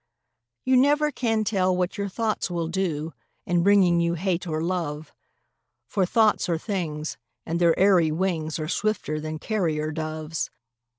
You never can tell what your thoughts will do, In bringing you hate or love; For thoughts are things, and their airy wings Are swifter than carrier doves.